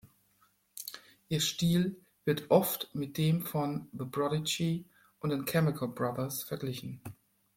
Ihr Stil wird oft mit dem von The Prodigy und den Chemical Brothers verglichen.